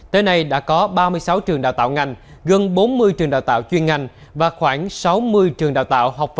tới nay đã có ba mươi sáu trường đào tạo ngành gần bốn mươi trường đào tạo chuyên ngành